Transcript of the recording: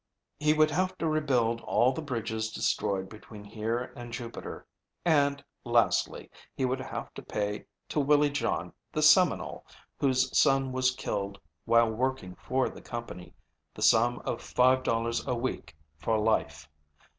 He would have to rebuild all the bridges destroyed between here and Jupiter, and, lastly, he would have to pay to Willie John, the Seminole, whose son was killed while working for the company, the sum of $5.00 a week for life.